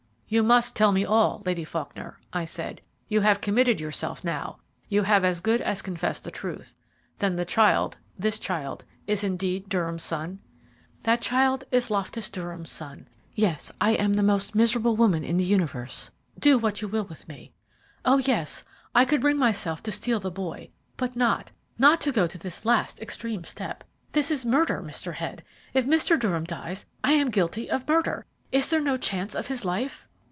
"You must tell me all, Lady Faulkner," I said. "You have committed yourself now you have as good as confessed the truth. Then the child this child is indeed Durham's son?" "That child is Loftus Durham's son. Yes, I am the most miserable woman in the universe. Do what you will with me. Oh yes, I could bring myself to steal the boy, but not, not to go to this last extreme step. This is murder, Mr. Head. If Mr. Durham dies, I am guilty of murder. Is there no chance of his life?"